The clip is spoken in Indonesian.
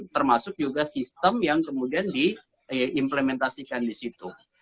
termasuk juga sistem yang kemudian di implementasikan disitu